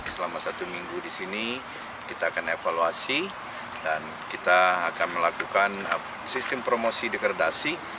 selama satu minggu di sini kita akan evaluasi dan kita akan melakukan sistem promosi degradasi